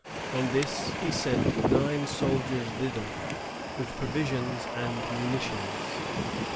On this he sent nine soldiers thither, with provisions and munitions.